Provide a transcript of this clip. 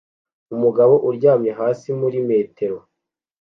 Umugabo uryamye hasi muri metero